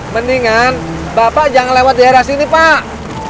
mendingan bapak jangan lewat di arah sini pak